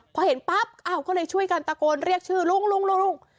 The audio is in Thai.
พอเห็นปั๊บอ้าวก็เลยช่วยกันตะโกนเรียกชื่อลุงลุง